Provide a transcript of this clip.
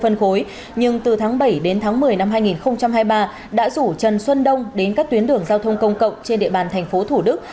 nhưng từ tháng bảy đến tháng một mươi năm hai nghìn hai mươi ba đã rủ trần xuân đông đến các tuyến đường giao thông công cộng trên địa bàn thành phố thủ đức